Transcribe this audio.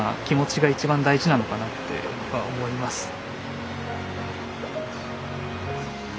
気持ちが一番大事なのかなって思います。